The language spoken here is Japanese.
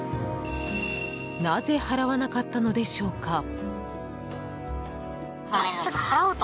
なぜ払わなかったのでしょうか。